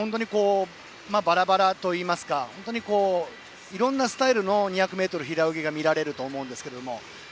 バラバラといいますかいろんなスタイルの２００ｍ平泳ぎが見られると思うんですけれども。